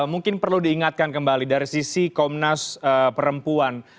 mungkin perlu diingatkan kembali dari sisi komnas perempuan